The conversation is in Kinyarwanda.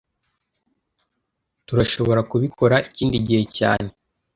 Turashobora kubikora ikindi gihe cyane